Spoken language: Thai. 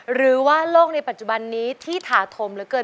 หรือว่าโลกในปัจจุบันนี้ที่ถาธมเหลือเกิน